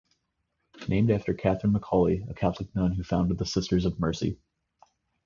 Named after Catherine McAuley, a Catholic nun who founded the Sisters of Mercy.